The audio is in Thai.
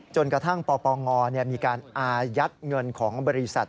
จนกระทั่งปปงมีการอายัดเงินของบริษัท